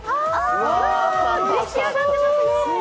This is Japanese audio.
お、出来上がってますね。